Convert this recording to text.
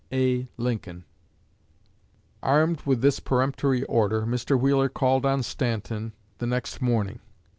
A. LINCOLN." Armed with this peremptory order, Mr. Wheeler called on Stanton the next morning.